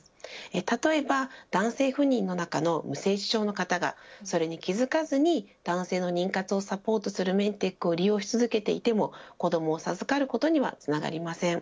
例えば男性不妊の中の無精子症の方がそれに気づかずに男性の妊活をサポートするメンテックを利用し続けていても子どもを授かることにはつながりません。